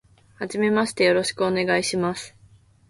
はじめまして、よろしくお願いします。